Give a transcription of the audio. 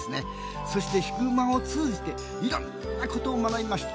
そして、ヒグマを通じていろんなことを学びました。